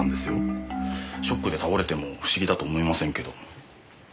ショックで倒れても不思議だと思いませんけど。